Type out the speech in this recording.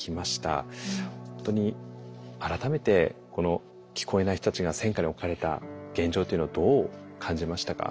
本当に改めてこの聞こえない人たちが戦禍に置かれた現状というのをどう感じましたか？